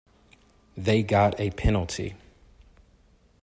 They got a penalty.